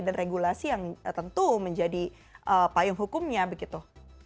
regulasi yang tentu menjadi payung hukumnya begitu